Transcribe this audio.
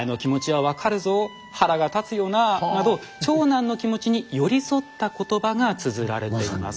内容のほとんどがなど長男の気持ちに寄り添った言葉がつづられています。